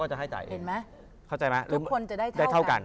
อ๋อเห็นมั้ยทุกคนจะได้เท่ากัน